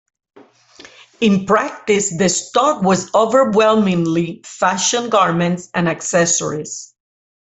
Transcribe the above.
In practice, the stock was overwhelmingly fashion garments and accessories.